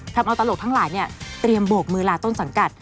ทำเอาตลกทั้งหลายเนี่ยเตรียมโบกมือลาต้นสังกัด